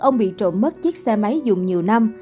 ông bị trộm mất chiếc xe máy dùng nhiều năm